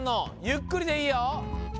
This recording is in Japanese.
ゆっくりでいいよ。